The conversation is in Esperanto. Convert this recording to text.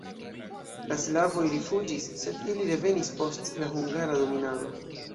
La slavoj rifuĝis, sed ili revenis post la hungara dominado.